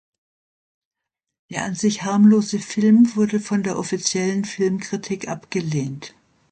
Der an sich harmlose Film wurde von der offiziellen Filmkritik abgelehnt.